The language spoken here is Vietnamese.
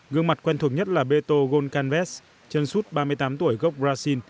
gương mặt quen thuộc nhất là beto golkanves chân suốt ba mươi tám tuổi gốc brazil